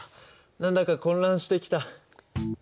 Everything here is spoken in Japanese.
何だか混乱してきた。